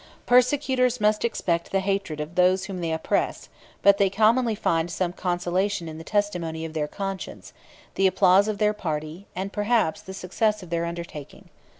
35 Persecutors must expect the hatred of those whom they oppress; but they commonly find some consolation in the testimony of their conscience, the applause of their party, and, perhaps, the success of their undertaking.